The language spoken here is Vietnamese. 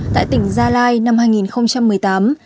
tại tỉnh gia lai năm hai nghìn một mươi tám